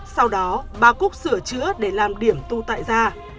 sau đó bà cúc sửa chữa để làm điểm tu tại ra